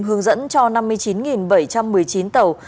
hướng dẫn cho năm mươi chín bảy trăm một mươi chín tàu